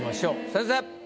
先生！